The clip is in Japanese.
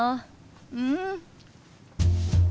うん。